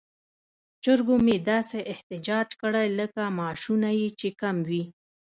چرګو مې داسې احتجاج کړی لکه معاشونه یې چې کم وي.